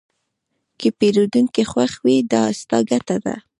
که پیرودونکی خوښ وي، دا ستا ګټه ده.